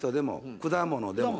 果物でも？